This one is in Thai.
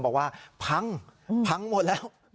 บอกว่าพังพังหมดแล้ว